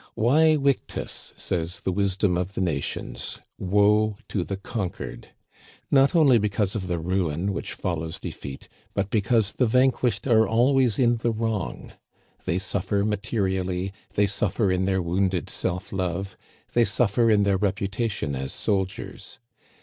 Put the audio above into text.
Vae victis ! says the wisdom of the nations. Woe to the conquered !— not only because of the ruin which follows defeat, but because the vanquished are always in the wrong. They suffer materially, they suffer in their wounded self love, they suffer in their reputation as soldiers.